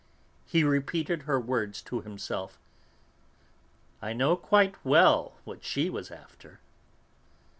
He repeated her words to himself: "I knew quite well what she was after."